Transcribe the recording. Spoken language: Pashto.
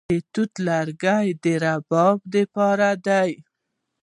د توت لرګي د رباب لپاره دي.